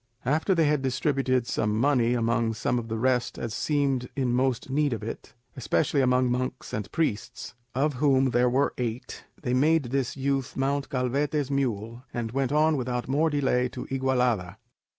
After they had distributed some money among such of the rest as seemed in most need of it, especially among monks and priests, of whom there were eight, they made this youth mount Calvete's mule, and went on without more delay to Igualada.